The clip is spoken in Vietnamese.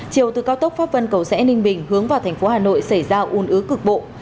chiều từ cao tốc pháp vân cầu sẽ ninh bình hướng vào thành phố hà nội xảy ra ồn ứ cực bộ